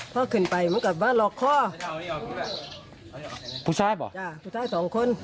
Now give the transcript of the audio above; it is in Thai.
ผู้ชายก่อว่ะจ๊ะผู้ชายสองคน